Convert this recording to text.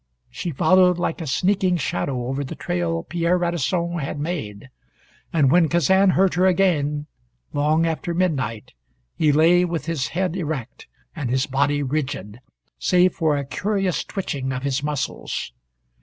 She followed like a sneaking shadow over the trail Pierre Radisson had made, and when Kazan heard her again, long after midnight, he lay with, his head erect, and his body rigid, save for a curious twitching of his muscles.